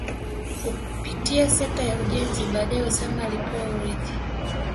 kupitia sekta ya ujenzi baadae Osama alipewa urithi